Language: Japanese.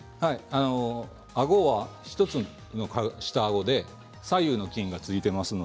あごは、１つの下あごで左右の筋がついています。